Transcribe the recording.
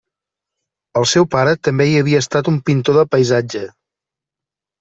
El seu pare també hi havia estat un pintor de paisatge.